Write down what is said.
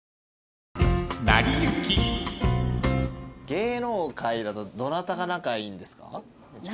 芸能界だとどなたが仲いいんですか？